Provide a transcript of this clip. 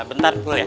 bentar dulu ya